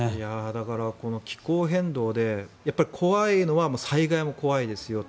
だから気候変動で怖いのは災害も怖いですよと。